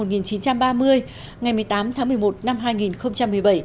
ngày một mươi tám tháng một mươi một năm hai nghìn một mươi bảy